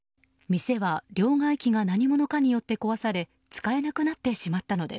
店は、両替機が何者かによって壊され使えなくなってしまったのです。